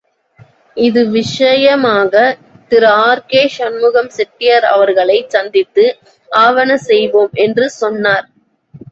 இது விஷயமாக திருஆர்.கே.சண்முகம் செட்டியார் அவர்களைச் சந்தித்து ஆவன செய்வோம் என்று சொன்னார்.